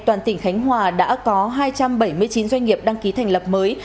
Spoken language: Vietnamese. toàn tỉnh khánh hòa đã có hai trăm bảy mươi chín doanh nghiệp đăng ký thành lập mới